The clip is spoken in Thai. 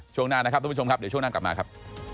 ช่วงหน้านะครับเดี๋ยวช่วงหน้ากลับมาครับ